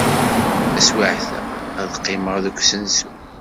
Taswiɛt-a, ad qqimeɣ deg usensu.